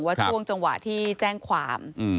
ช่วงจังหวะที่แจ้งความ